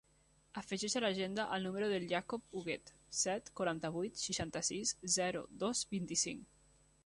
Afegeix a l'agenda el número del Jacob Huguet: set, quaranta-vuit, seixanta-sis, zero, dos, vint-i-cinc.